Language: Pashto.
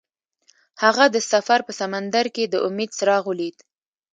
هغه د سفر په سمندر کې د امید څراغ ولید.